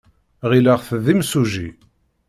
Ɣileɣ-t d imsujji.